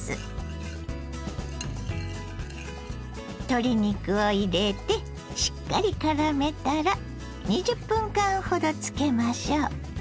鶏肉を入れてしっかりからめたら２０分間ほどつけましょう。